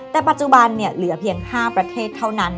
แต่ปัจจุบันเหลือเพียง๕ประเทศเท่านั้น